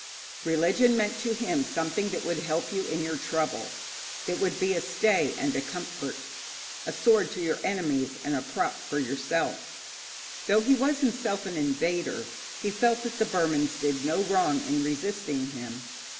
Religion meant to him something that would help you in your trouble, that would be a stay and a comfort, a sword to your enemies and a prop for yourself. Though he was himself an invader, he felt that the Burmans did no wrong in resisting him.